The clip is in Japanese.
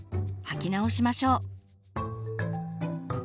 履き直しましょう。